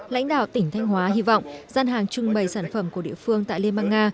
lãnh đạo tỉnh thanh hóa hy vọng gian hàng trưng bày sản phẩm của địa phương tại liên bang nga